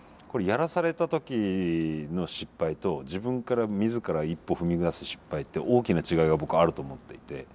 やらされた時の失敗と自分から自ら一歩踏み出す失敗って大きな違いが僕はあると思っていて。